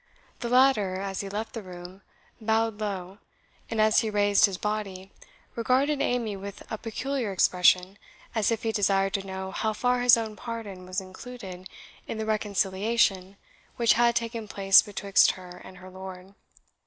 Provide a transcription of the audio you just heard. The latter, as he left the room, bowed low, and as he raised his body, regarded Amy with a peculiar expression, as if he desired to know how far his own pardon was included in the reconciliation which had taken place betwixt her and her lord.